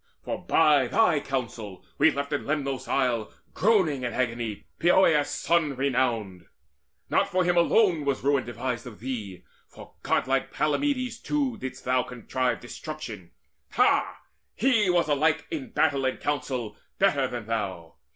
For by thy counsel left we in Lemnos' isle Groaning in agony Poeas' son renowned. And not for him alone was ruin devised Of thee; for godlike Palamedes too Didst thou contrive destruction ha, he was Alike in battle and council better than thou!